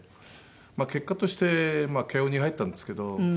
まあ結果として慶應に入ったんですけど。